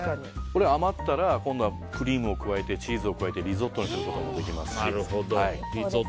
余ったらクリームを加えてチーズを加えてリゾットにもできますし。